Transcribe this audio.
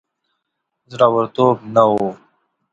زړه ورتوب نه وو.